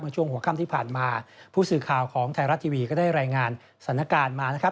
ช่วงหัวค่ำที่ผ่านมาผู้สื่อข่าวของไทยรัฐทีวีก็ได้รายงานสถานการณ์มานะครับ